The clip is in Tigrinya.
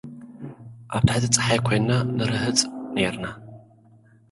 ኣብ ትሕቲ ጸሓይ ኮይንና ንርህጽ ነይርና።